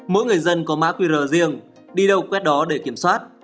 mỗi người dân có mã qr riêng đi đâu quét đó để kiểm soát